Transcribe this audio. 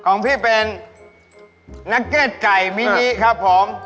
ของพี่เป็นนักเก็ตไก่มินิครับผม